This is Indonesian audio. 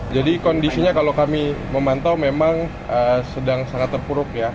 jadi kondisinya kalau kami memantau memang sedang sangat terpuruk ya